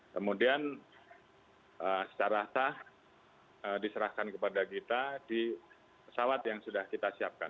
kemudian secara sah diserahkan kepada kita di pesawat yang sudah kita siapkan